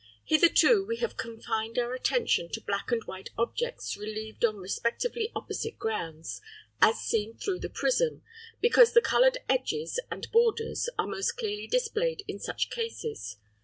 Hitherto we have confined our attention to black and white objects relieved on respectively opposite grounds, as seen through the prism, because the coloured edges and borders are most clearly displayed in such cases.